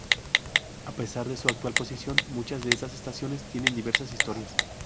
A pesar de su actual posición, muchas de estas estaciones tienen diversas historias.